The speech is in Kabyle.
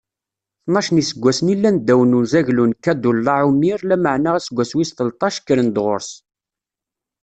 Tnac n iseggasen i llan ddaw n uzaglu n Kadurlaɛumir, lameɛna aseggas wis tleṭṭac, kkren-d ɣur-s.